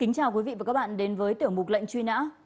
kính chào quý vị và các bạn đến với tiểu mục lệnh truy nã